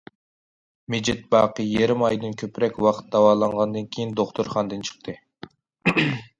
مىجىت باقى يېرىم ئايدىن كۆپرەك ۋاقىت داۋالانغاندىن كېيىن، دوختۇرخانىدىن چىقتى.